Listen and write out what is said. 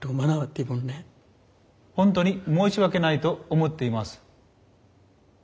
本当に申し訳ないと思っています。